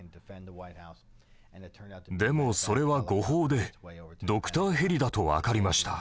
でもそれは誤報でドクターヘリだと分かりました。